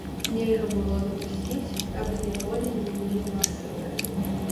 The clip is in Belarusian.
Нельга было дапусціць, каб зняволенні былі масавыя.